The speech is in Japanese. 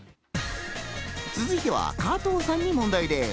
続いては加藤さんに問題です。